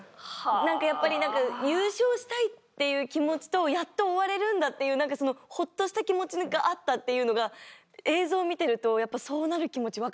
やっぱり何か優勝したいっていう気持ちとやっと終われるんだっていう何かそのほっとした気持ちがあったというのが映像を見てるとやっぱそうなる気持ち分かりました。